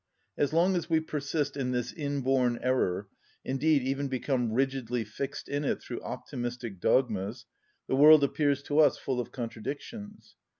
As long as we persist in this inborn error, indeed even become rigidly fixed in it through optimistic dogmas, the world appears to us full of contradictions.